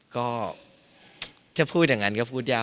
ก็จะพูดอย่างนั้นก็พูดยาก